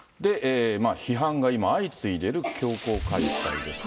批判が今相次いでいる強行開催ですが。